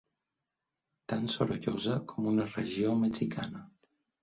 Tan sorollosa com una regió mexicana.